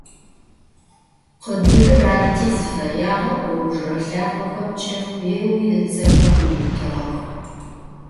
Khıdırır arıti zıfeyağer, ıujjıre lhakhomç'e khêui, ıtsexer Uiutığex.